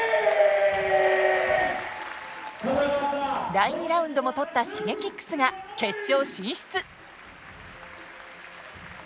第２ラウンドも取ったＳｈｉｇｅｋｉｘが決勝進出。